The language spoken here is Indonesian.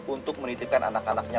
untuk menitipkan anak anaknya